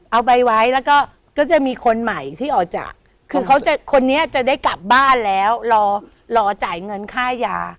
เอาไว้แล้วก็ก็จะมีคนใหม่ที่ออกจากคือเขาจะคนนี้จะได้กลับบ้านแล้วรอรอจ่ายเงินค่ายา